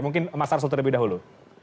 mungkin mas arsul terlebih dahulu